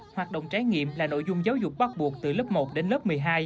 hoạt động trải nghiệm là nội dung giáo dục bắt buộc từ lớp một đến lớp một mươi hai